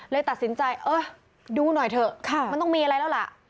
เลยตัดสินใจเออดูหน่อยเถอะมันต้องมีอะไรแล้วล่ะ